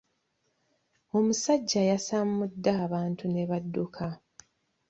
Omusajja yesamudde abantu ne badduka.